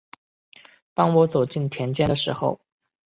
当我走在田间的时候